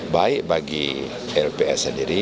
baik bagi lps sendiri